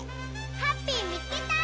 ハッピーみつけた！